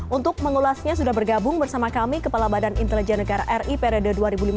untuk mengulasnya sudah bergabung bersama kami kepala badan intelijen negara ri periode dua ribu lima belas dua ribu